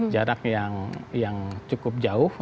jarak yang cukup jauh